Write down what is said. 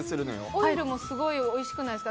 オイルもすごいおいしくないですか？